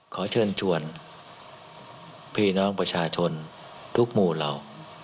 ขอเชิญชวนพี่น้องประชาชนทุกหมู่เหล่า